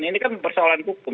ini kan persoalan hukum